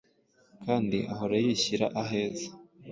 kandi ahora yishyira aheza.